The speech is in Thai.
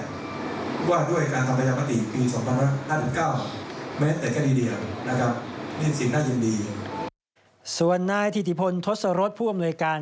นี่สิ่งน่ายินดีส่วนหน้าอธิษฐีพลทศรสตร์ผู้อำนวยการ